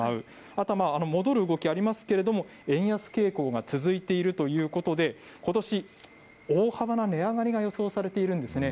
あとはまた戻る動きありますけれども、円安傾向が続いているということで、ことし、大幅な値上がりが予想されているんですね。